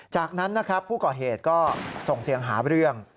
จากนั้นนะครับผู้ก่อเหตุก็ส่งเสียงหาเรื่อง